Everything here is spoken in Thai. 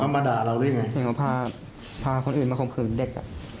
เขามาด่าเราด้วยไงเห็นว่าพาพาคนอื่นมาคุมคุมเด็กอ่ะ